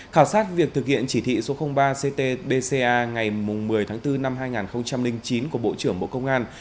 khảo sát việc thực hiện chỉ thị số ba ctbca ngày một mươi tháng bốn năm hai nghìn chín của bộ trưởng bộ công an